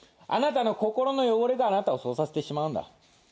あなたの心の汚れがあなたをそうさせてしまうんだ。